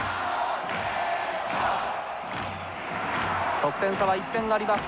得点差は１点あります。